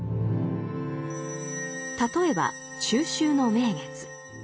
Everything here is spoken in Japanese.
例えば中秋の名月。